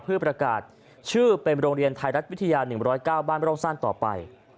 เพื่อประกาศชื่อเป็นโรงเรียนไทยรัฐวิทยา๑๐๙บ้านร่องสั้นต่อไป